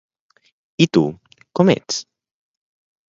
I tu, com ets?